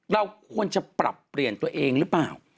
เราควรจะปรับเปลี่ยนตัวเองหรือเปล่า